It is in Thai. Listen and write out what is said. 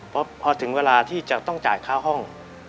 เพราะพอถึงเวลาที่จะต้องจ่ายค่าห้อง